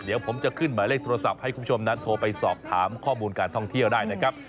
เดี๋ยวผมจะขึ้นหมายเลขโทรศัพท์ให้คุณผู้ชมนั้นโทรไปสอบถามข้อมูลการท่องเที่ยวได้นะครับ